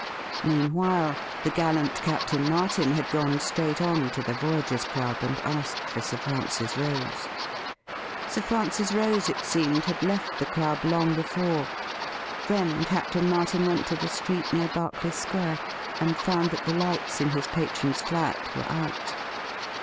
Meanwhile the gallant Captain Martin had gone straight on to the Voyagers' Club and asked for Sir Francis Rose. Sir Francis Rose, it seemed, had left the club long before. Then Captain Martin went to the street near Berkeley Square, and found that the lights in his patron's flat were out.